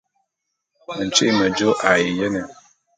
Ntyi'i mejô a ye jene.